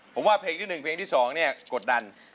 ผมว่าเพลงที่๑เพลงที่๒เนี่ยกดดัน